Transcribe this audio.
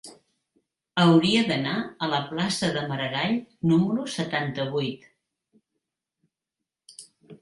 Hauria d'anar a la plaça de Maragall número setanta-vuit.